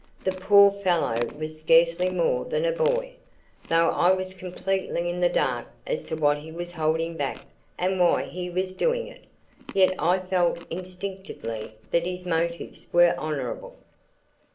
The poor fellow was scarcely more than a boy! Though I was completely in the dark as to what he was holding back and why he was doing it, yet I felt instinctively that his motives were honorable.